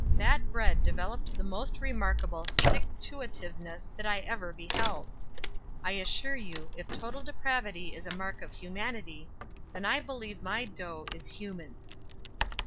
That bread developed the most remarkable stick to a tive ness that I ever beheld. I assure you, if total depravity is a mark of humanity, then I believe my dough is human.